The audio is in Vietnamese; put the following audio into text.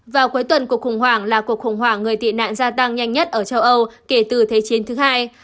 vào cuối tuần cuộc khủng hoảng là cuộc khủng hoảng người tị nạn gia tăng nhanh nhất ở châu âu kể từ thế chiến thứ hai